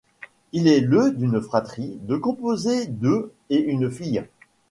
Il est le d’une fratrie de composée de et une fille.